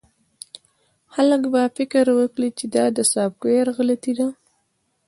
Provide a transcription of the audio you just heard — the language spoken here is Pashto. خلک به فکر وکړي چې دا د سافټویر غلطي ده